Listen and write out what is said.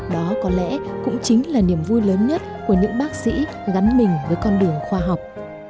đó có lẽ cũng chính là niềm vui lớn nhất của những bác sĩ gắn mình với con đường khoa học